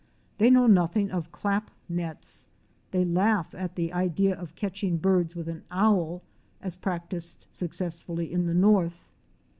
They know nothing of clap nets; they laugh at the idea of catching birds with an Owl, as practised successfully in the North.